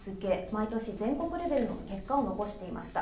毎年全国レベルの結果を残していました。